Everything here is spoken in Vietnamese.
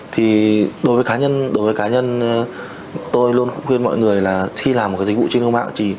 thì đối với cá nhân tôi luôn khuyên mọi người là khi làm một dịch vụ trên không gian mạng